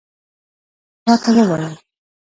راته ووایه.